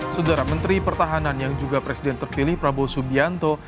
sudara menteri pertahanan yang juga presiden terpilih prabowo subianto